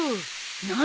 何？